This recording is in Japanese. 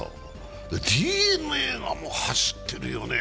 ＤｅＮＡが走ってるよね。